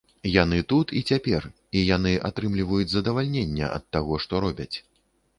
Яны тут і цяпер, і яны атрымліваюць задавальненне ад таго, што робяць.